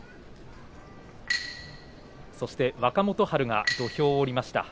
若元春が土俵を下りました。